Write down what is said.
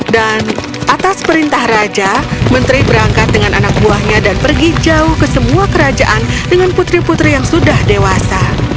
dan atas perintah raja menteri berangkat dengan anak buahnya dan pergi jauh ke semua kerajaan dengan putri putri yang sudah dewasa